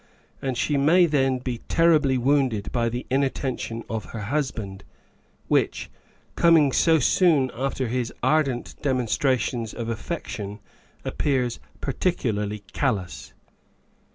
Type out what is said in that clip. And she may then be terribly wounded by the inattention of her hus band, which, coming so soon after his ardent demon strations of affection, appears peculiarly callous.